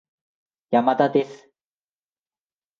山田です